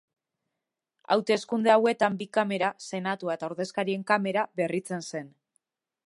Hauteskunde hauetan bi kamera, senatua eta ordezkarien kamera, berritzen zen.